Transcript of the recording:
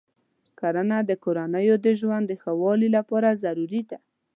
کرنه د کورنیو د ژوند د ښه والي لپاره ضروري ده.